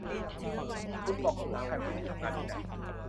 คุณบอกว่าผู้ชายคนนี้ทำงานที่ไหน